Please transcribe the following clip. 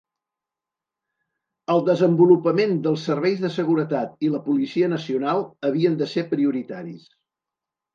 El desenvolupament dels serveis de seguretat i la policia nacional havien de ser prioritaris.